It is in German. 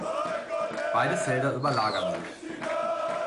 Beide Felder überlagern sich.